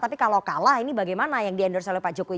tapi kalau kalah ini bagaimana yang di endorse oleh pak jokowi